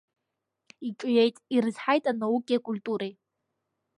Иҿиеит, ирызҳаит анаукеи акультуреи.